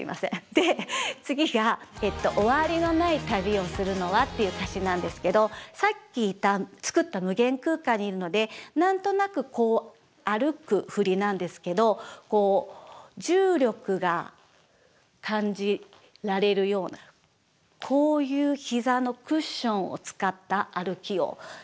で次が「終わりのない旅をするのは」っていう歌詞なんですけどさっき作った無限空間にいるのでなんとなくこう歩く振りなんですけどこう重力が感じられるようなこういう膝のクッションを使った歩きをしています。